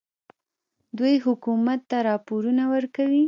دوی حکومت ته راپورونه ورکوي.